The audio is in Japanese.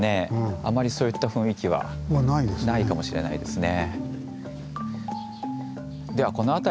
あまりそういった雰囲気はないかもしれないですね。